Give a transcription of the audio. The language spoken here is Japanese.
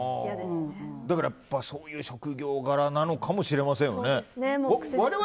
だから、そういう職業柄なのかもしれませんね。